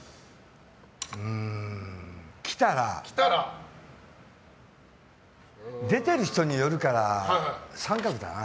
うーん来たら。出てる人によるから△だな。